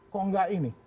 kok nggak ini